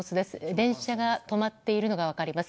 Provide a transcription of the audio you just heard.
電車が止まっているのが分かります。